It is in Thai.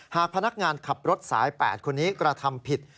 หากพนักงานขับรถสาย๘คนนี้กระทำผิด